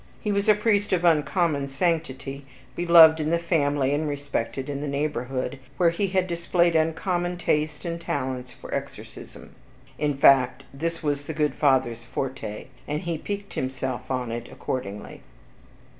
He was a priest of uncommon sanctity, beloved in the family, and respected in the neighborhood, where he had displayed uncommon taste and talents for exorcism; in fact, this was the good Father's forte, and he piqued himself on it accordingly.